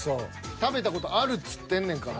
「食べた事ある」つってんねんから。